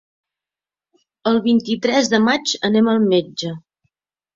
El vint-i-tres de maig anem al metge.